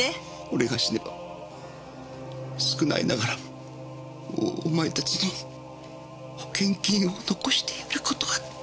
俺が死ねば少ないながらもお前たちの保険金を残してやる事が出来る。